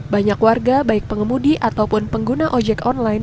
banyak warga baik pengemudi ataupun pengguna ojek online